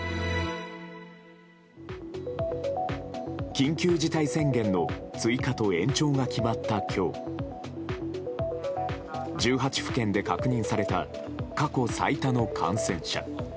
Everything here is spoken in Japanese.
緊急事態宣言の追加と延長が決まった今日１８府県で確認された過去最多の感染者。